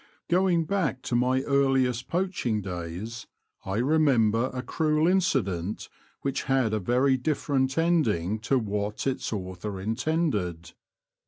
Going back to my earliest poaching days I remember a cruel incident which had a verv different ending to what its author intended.